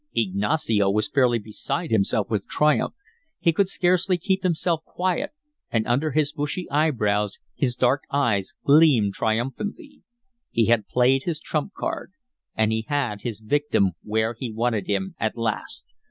Ignacio was fairly beside himself with triumph. He could scarcely keep himself quiet, and under his bushy eyebrows, his dark eyes gleamed triumphantly. He had played his trump card. And he had his victim where he wanted him at last.